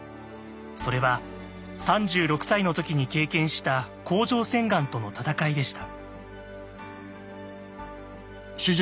それは３６歳のときに経験した甲状腺がんとの闘いでした。